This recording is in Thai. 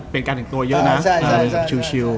เป็นการเองโกยเยอะนะชิว